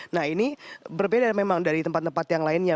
nah ini berbeda memang dari tempat tempat yang lainnya